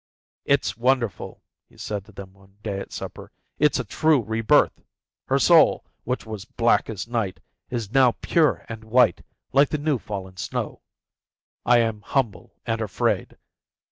"It's wonderful," he said to them one day at supper. "It's a true rebirth. Her soul, which was black as night, is now pure and white like the new fallen snow. I am humble and afraid.